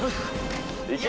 行け！